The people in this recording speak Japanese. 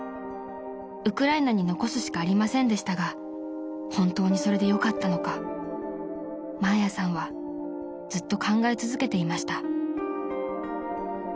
［ウクライナに残すしかありませんでしたが本当にそれでよかったのかマーヤさんはずっと考え続けていました］